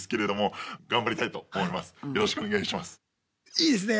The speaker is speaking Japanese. いいですね！